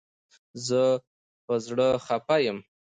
زه په زړه خپه یم